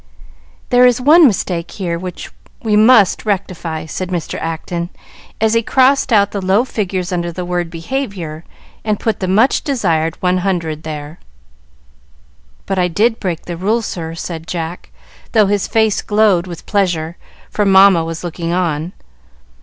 "There is one mistake here which we must rectify," said Mr. Acton, as he crossed out the low figures under the word "Behavior," and put the much desired 100 there. "But I did break the rule, sir," said Jack, though his face glowed with pleasure, for Mamma was looking on.